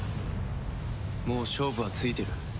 もう勝負はついてる。